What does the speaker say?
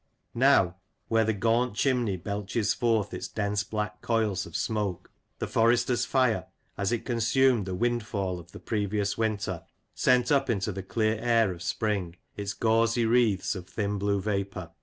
Now, where the gaunt chimney belches forth its dense black coils of smoke, the Forester's fire„as it consumed the " windfall " of the previous 134 Lancashire Characters and Places, winter, sent up into the clear air of spring its gauzy wreaths of thin blue vapour.